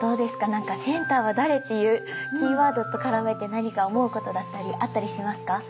何か「センターは誰？」っていうキーワードとからめて何か思うことだったりあったりしますか？